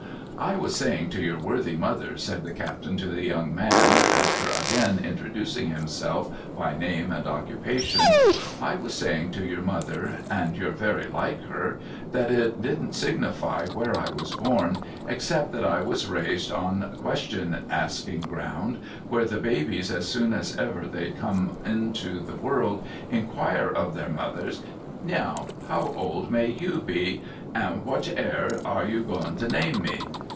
' I was saying to your worthy mother,' said the captain to the young man, after again introducing himself by name and occupation, —' I was saying to your mother (and you're very like her) that it didn't signify where I was born, except that I was raised on question asking ground, where the babies as soon as ever they come into the world, inquire of their mothers, " Neow, how old may you be, and wa'at air you a goin' to name me